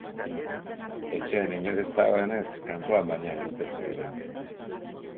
Etxean inor ez dagoenez, kanpoan baina gintezkeela.